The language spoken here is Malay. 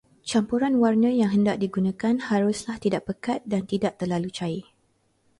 Campuran warna yang hendak digunakan haruslah tidak pekat dan tidak terlalu cair.